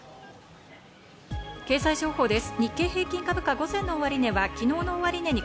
経済情報です。